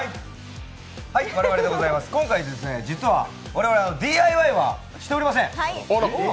今回、実は我々はＤＩＹはしておりません。